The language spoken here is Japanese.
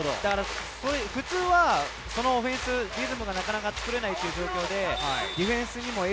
普通はリズムがなかなか作れないという状況でディフェンスにも影